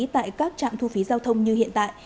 tại các trạm thu phí giao thông như hiện tại